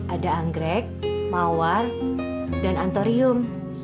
ada anggrek mawar dan antorium